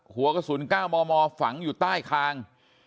หัวกระสุน๙มมฝังอยู่ใต้คาง